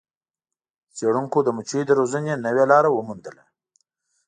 څیړونکو د مچیو د روزنې نوې لاره وموندله.